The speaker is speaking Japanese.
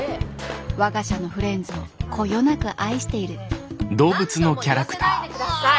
我が社のフレンズをこよなく愛している何度も言わせないで下さい。